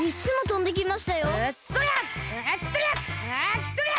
んそりゃ！